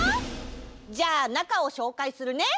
じゃあなかをしょうかいするね！